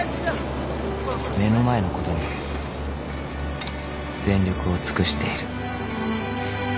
［目の前のことに全力を尽くしている］